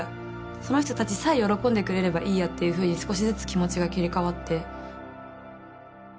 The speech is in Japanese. その人たちさえ喜んでくれればいいやっていうふうに少しずつ気持ちが切り替わって。